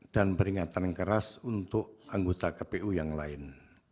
dan peringatan keras untuk anggota kpu yang lain